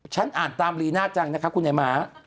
ฉันอ่านตามลีน่าจังนะคะคุณไอ้ม้า